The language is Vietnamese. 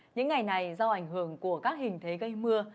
những ngày này do ảnh hưởng của các hình thế gây mưa